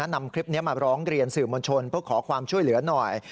นำคลิปนี้มาร้องเรียนสื่อมวลชนเพื่อขอความช่วยเหลือหน่อย